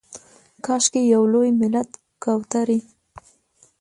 کاشکي یو لوی ملت کوترې